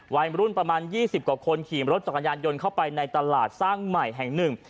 วัยรุ่นประมาณ๒๐กว่าคนขี่รถจักรยานยนต์เข้าไปในตลาดสร้างใหม่แห่งหนึ่ง